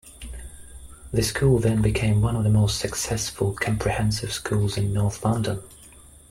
The school then became one of the most successful comprehensive schools in North London.